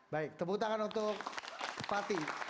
baik tepuk tangan untuk pati